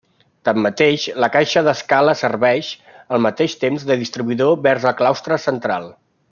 Tanmateix, la caixa d'escala serveix, al mateix temps, de distribuïdor vers el claustre central.